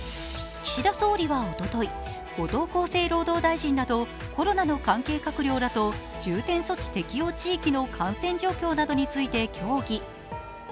岸田総理はおととい、後藤厚生労働大臣などコロナの関係閣僚らと重点措置適用地域の感染状況などについて協議。